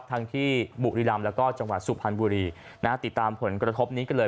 ทั้งที่บุรีรำแล้วก็จังหวัดสุพรรณบุรีนะฮะติดตามผลกระทบนี้กันเลย